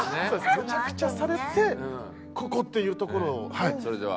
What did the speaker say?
むちゃくちゃされてここっていうところをはい。